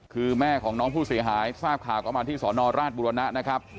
คือแม่ของน้องผู้เสียหายทราบข่าวก็มาที่สอนอราชบุรณะนะครับ